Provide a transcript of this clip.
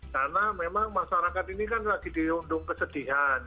karena memang masyarakat ini kan lagi diundung kesedihan